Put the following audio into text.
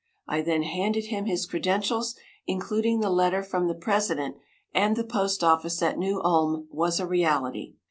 I then handed him his credentials, including the letter from the president, and the postoffice at New Ulm was a reality.